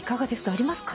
ありますか？